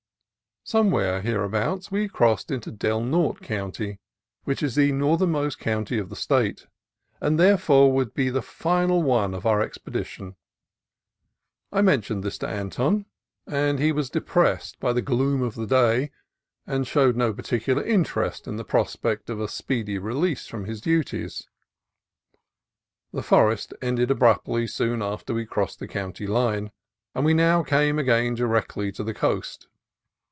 Somewhere hereabouts we crossed into Del Norte County, which is the northernmost county of the State, and therefore would be the final one of our ex pedition. I mentioned this to Anton, but he was de 306 CALIFORNIA COAST TRAILS pressed by the gloom of the day, and showed no par ticular interest in the prospect of a speedy release from his duties. The forest ended abruptly soon after we crossed the county line, and we now came again directly to the coast.